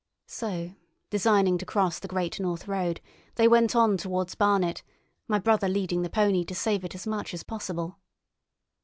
So, designing to cross the Great North Road, they went on towards Barnet, my brother leading the pony to save it as much as possible.